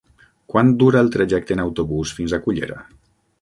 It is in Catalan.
Quant dura el trajecte en autobús fins a Cullera?